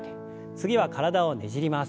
次は体をねじります。